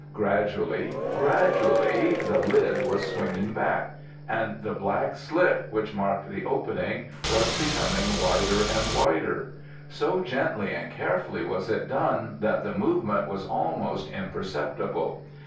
Gradually, gradually the lid was swinging back, and the black slit which marked the opening was becoming wider and wider. So gently and carefully was it done that the movement was almost imperceptible.